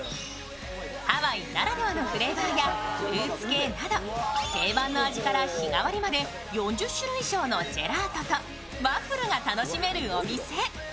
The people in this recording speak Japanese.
ハワイならではのフレーバーやフルーツ系など、定番の味から日替わりまで４０種類以上のジェラートとワッフルが楽しめるお店。